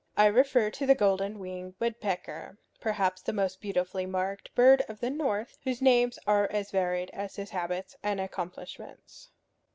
I refer to the golden winged woodpecker, perhaps the most beautifully marked bird of the North, whose names are as varied as his habits and accomplishments.